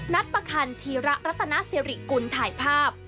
นัดประคัญธีระรัตนาเสริกุลถ่ายภาพ